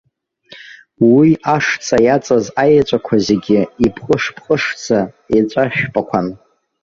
Уи ашҵа иаҵаз аеҵәақәа зегьы, ипҟыш-пҟышӡа, еҵәа шәпақәан.